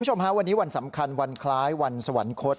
คุณผู้ชมฮะวันนี้วันสำคัญวันคล้ายวันสวรรคต